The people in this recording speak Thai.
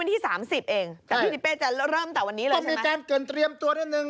พี่ติเป๊จะเริ่มตั้งวันนี้เลยใช่ไหมใช่ไหมต้องมีการเกินเตรียมตัวนิดนึง